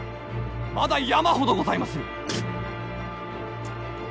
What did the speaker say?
まだ山ほどございまする！